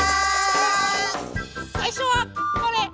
さいしょはこれ。